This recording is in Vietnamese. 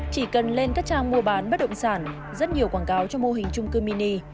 chỉ cần lên các trang mua bán bất động sản rất nhiều quảng cáo cho mô hình trung cư mini